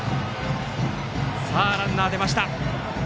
ランナーが出ました。